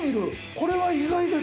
これは意外です